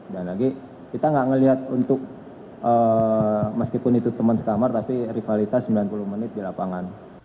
dan lagi kita tidak melihat untuk meskipun itu teman sekamar tapi rivalitas sembilan puluh menit di lapangan